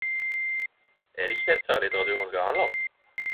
Er det ikkje dette litteraturen skal handla om?